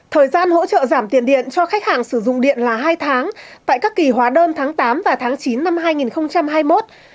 thời gian hỗ trợ giảm tiền điện cho khách hàng sử dụng điện là hai tháng tại các kỳ hóa đơn tháng tám và tháng chín năm hai nghìn hai mươi một